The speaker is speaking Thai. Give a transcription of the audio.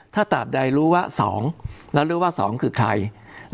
ถ้าตราบใดรู้ว่า๒แล้วรู้ว่า๒คือใคร